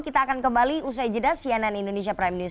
kita akan kembali usai jeda cnn indonesia prime news